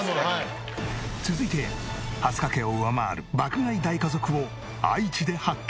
続いて蓮香家を上回る爆買い大家族を愛知で発見！